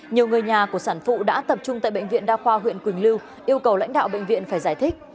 nhiều người nhà của sản phụ đã tập trung tại bệnh viện đa khoa huyện quỳnh lưu yêu cầu lãnh đạo bệnh viện phải giải thích